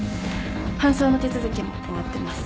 搬送の手続きも終わってます。